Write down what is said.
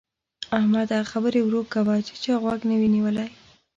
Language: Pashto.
احمده! خبرې ورو کوه چې چا غوږ نه وي نيولی.